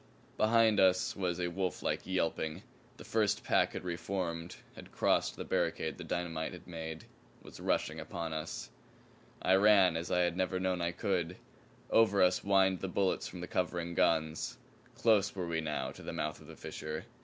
Behind us was a wolflike yelping. The first pack had re formed; had crossed the barricade the dynamite had made; was rushing upon us. I ran as I had never known I could. Over us whined the bullets from the covering guns. Close were we now to the mouth of the fissure.